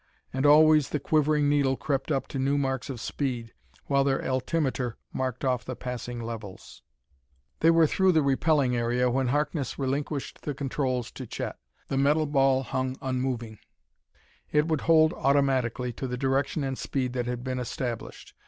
And always the quivering needle crept up to new marks of speed, while their altimeter marked off the passing levels. They were through the repelling area when Harkness relinquished the controls to Chet. The metal ball hung unmoving; it would hold automatically to the direction and speed that had been established.